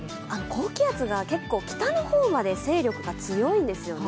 高気圧が結構北の方まで勢力が強いんですよね。